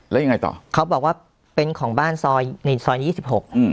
แล้วยังไงต่อเขาบอกว่าเป็นของบ้านซอยในซอยยี่สิบหกอืม